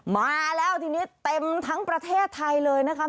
มาแล้วทีนี้เต็มทั้งประเทศไทยเลยนะคะ